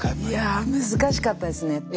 いやあ難しかったですね。